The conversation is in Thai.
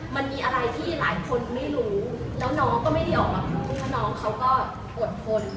มันมีอะไรที่หลายคนไม่รู้แล้วน้องก็ไม่ได้ออกมาพูดเพราะน้องเขาก็อดทน